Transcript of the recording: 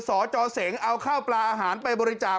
สจเสงเอาข้าวปลาอาหารไปบริจาค